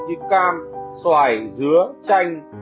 như cam xoài dứa chanh